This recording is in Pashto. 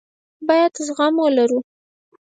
بايد زغم ولرو.